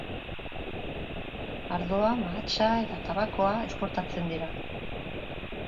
Ardoa, mahatsa eta tabakoa esportatzen dira.